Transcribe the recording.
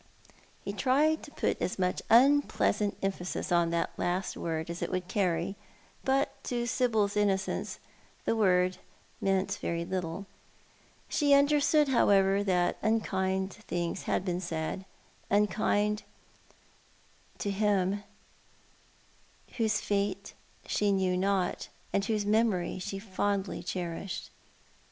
lie tried to put as much unpleasant emphasis upon that last Avord as it would carry; but to Sibyl's innocence the word meant very little. She understood, however, that unkind things had been said — unkind to him whoso fate she knew not, and whose memory she fondly cherished.